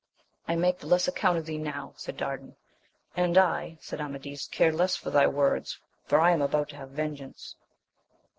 I make the less account of thee now, said Dardan ; And I, said Amadis, care less for thy words, for I am about to have vengeance.